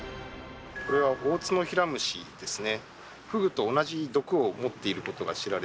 これはオオツノヒラムシですね。